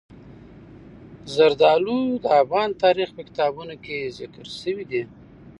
زردالو د افغان تاریخ په کتابونو کې ذکر شوی دي.